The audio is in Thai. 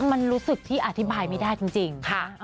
มันรู้สึกที่อธิบายไม่ได้จริง